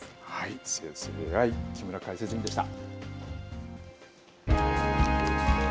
生成ＡＩ、木村解説委員でした。